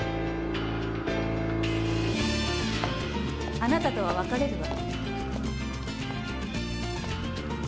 あなたとは別れるわ。